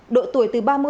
độ tuổi từ ba mươi